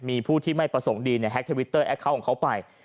มีผู้ที่ไม่ประสงค์ดีแฮคทวิตเตอร์ของเขาไป